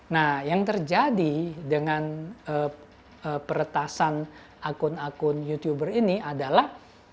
nah yang terjadi dengan peretasan akun akun youtuber ini adalah